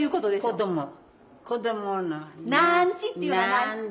子どもの。